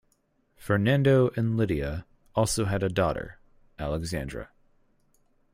Fernando and Lydia also had a daughter, Alexandra.